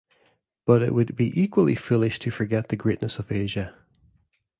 But it would be equally foolish to forget the greatness of Asia.